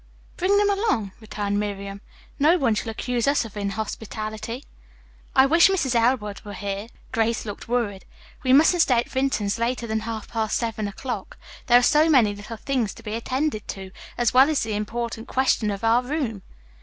"Bring them along," returned Miriam. "No one shall accuse us of inhospitality." "I wish Mrs. Elwood were here." Grace looked worried. "We mustn't stay at Vinton's later than half past seven o'clock. There are so many little things to be attended to, as well as the important question of our room."